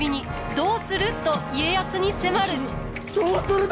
どうするだ？